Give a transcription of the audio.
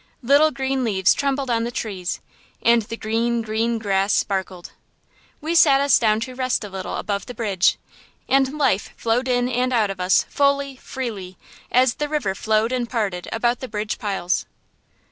Little green leaves trembled on the trees, and the green, green grass sparkled. We sat us down to rest a little above the bridge; and life flowed in and out of us fully, freely, as the river flowed and parted about the bridge piles.